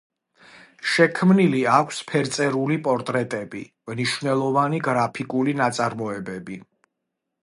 შექმნილი აქვს ფერწერული პორტრეტები, მნიშვნელოვანი გრაფიკული ნაწარმოებები.